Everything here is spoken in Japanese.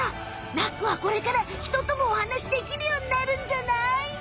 ナックはこれからひとともおはなしできるようになるんじゃない？